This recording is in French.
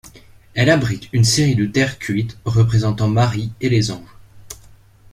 Elle abrite une série de terres cuites représentant Marie et les anges.